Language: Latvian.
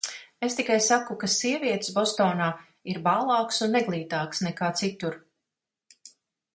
Es tikai saku, ka sievietes Bostonā ir bālākas un neglītākas nekā citur.